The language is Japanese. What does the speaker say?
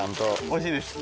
おいしいです。